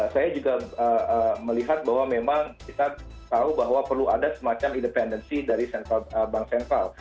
saya juga melihat bahwa memang kita tahu bahwa perlu ada semacam independensi dari bank sentral